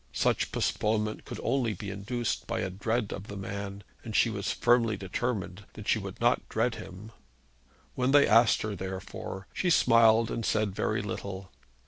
Such postponement could only be induced by a dread of the man, and she was firmly determined that she would not dread him. When they asked her, therefore, she smiled and said very little.